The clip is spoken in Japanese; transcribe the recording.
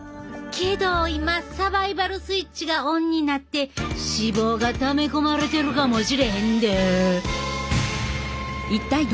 けど今サバイバル・スイッチがオンになって脂肪がため込まれてるかもしれへんで。